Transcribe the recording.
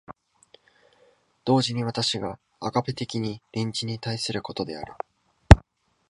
同時に私がアガペ的に隣人に対することである。